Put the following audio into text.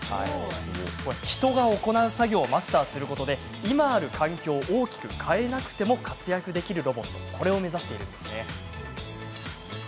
人が行う作業をマスターすることで今ある環境を大きく変えなくても活躍できるロボットを目指しています。